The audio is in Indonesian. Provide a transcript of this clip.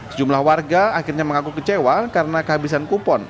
sejumlah warga akhirnya mengaku kecewa karena kehabisan kupon